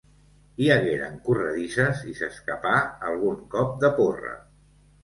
Hi hagueren corredisses, i s'escapà algun cop de porra.